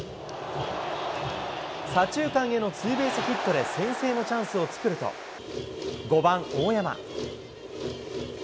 左中間へのツーベースヒットで先制のチャンスを作ると、５番大山。